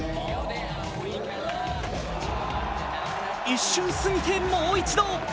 一瞬過ぎて、もう一度。